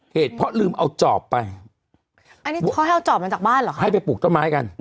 เพราะลืมเอาจอบไปอันนี้เขาให้เอาจอบมาจากบ้านเหรอคะให้ไปปลูกต้นไม้กัน